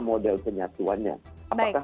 model penyatuannya apakah